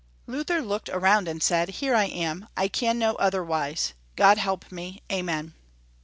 Luther looked around, and said, " Here I am. I can no other wise. God help me. Amen."